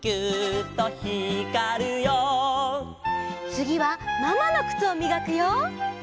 つぎはママのくつをみがくよ。